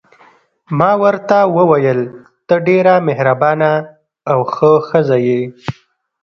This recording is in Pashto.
ما ورته وویل: ته ډېره مهربانه او ښه ښځه یې.